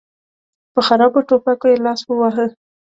په خرابو ټوپکو يې لاس وواهه.